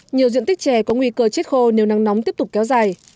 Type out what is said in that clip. nhiều diện tích chè có nguy cơ chết khô nếu nắng nóng tiếp tục kéo dài